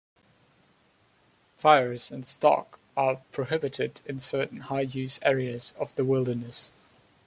Fires and stock are prohibited in certain high-use areas of the wilderness.